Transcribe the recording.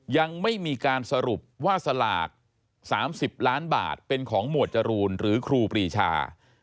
ยังไม่มีการสรุปว่าสลาก๓๐ล้านบาทเป็นของหมวดจรูนหรือครูปรีชา